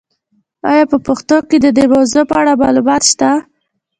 آیا په پښتو کې د دې موضوع په اړه معلومات شته؟